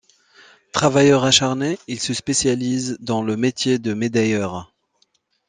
Travailleur acharné, il se spécialise dans le métier de médailleur.